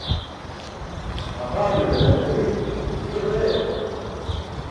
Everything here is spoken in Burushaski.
Maa haale ḍaḍaṅ hariip biya bee?